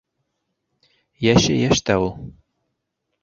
Йәше - йәш тә ул...